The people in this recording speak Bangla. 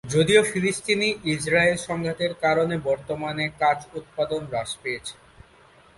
যদিও ফিলিস্তিনি-ইসরায়েল সংঘাতের কারণে বর্তমানে কাচ উৎপাদন হ্রাস পেয়েছে।